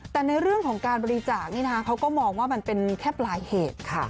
แต่ในเรื่องของการบริจาคนี่นะคะเขาก็มองว่ามันเป็นแค่ปลายเหตุค่ะ